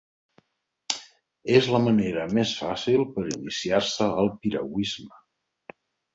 És la manera més fàcil per a iniciar-se al piragüisme.